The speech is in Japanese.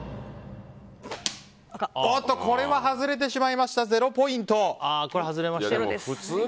これは外れてしまいました０ポイント。